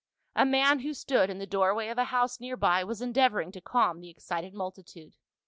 A man who stood in the doorway of a house near by was endeavoring to calm the excited multitude.